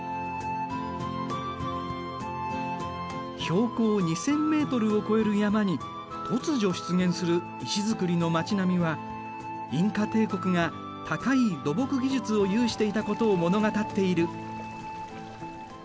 標高２，０００メートルを超える山に突如出現する石造りの町並みはインカ帝国が高い土木技術を有していたことを物語っている。